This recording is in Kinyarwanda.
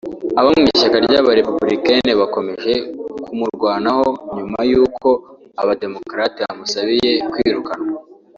Abo mu ishyaka ry’Aba- républicain bakomeje kumurwanaho nyuma y’uko Aba- démocrate bamusabiye kwirukanwa